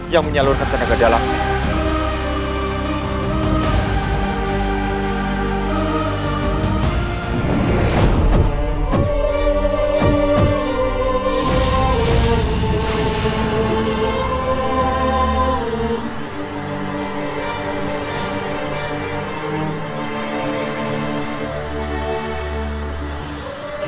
yang menyalurkan tenaga dalamnya